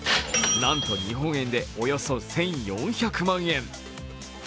なんと日本円でおよそ１４００万円。